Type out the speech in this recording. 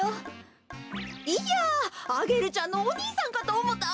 いやアゲルちゃんのおにいさんかとおもったわ。